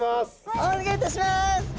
お願いいたします！